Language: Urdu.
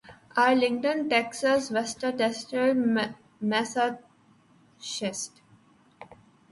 آرلنگٹن ٹیکساس ویسٹسٹر میساچیٹس